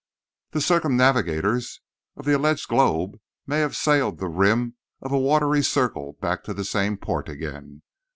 The circumnavigators of the alleged globe may have sailed the rim of a watery circle back to the same port again.